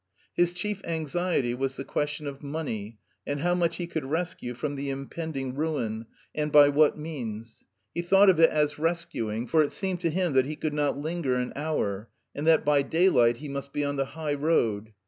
His chief anxiety was the question of money, and how much he could rescue from the impending ruin and by what means. He thought of it as "rescuing," for it seemed to him that he could not linger an hour, and that by daylight he must be on the high road.